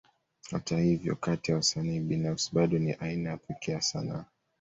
Hata hivyo, kati ya wasanii binafsi, bado ni aina ya pekee ya sanaa.